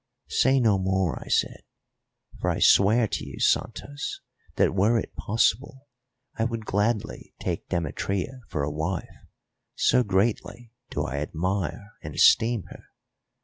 "Say no more," I said; "for I swear to you, Santos, that were it possible I would gladly take Demetria for a wife, so greatly do I admire and esteem her.